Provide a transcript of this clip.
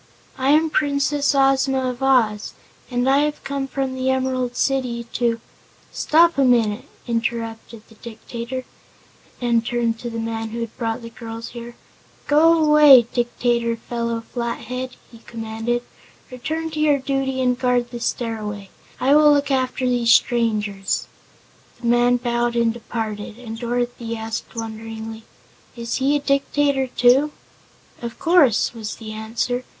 "I am Princess Ozma of Oz, and I have come from the Emerald City to " "Stop a minute," interrupted the Dictator, and turned to the man who had brought the girls there. "Go away, Dictator Felo Flathead!" he commanded. "Return to your duty and guard the Stairway. I will look after these strangers." The man bowed and departed, and Dorothy asked wonderingly: "Is he a Dictator, too?" "Of course," was the answer.